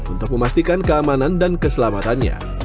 untuk memastikan keamanan dan keselamatannya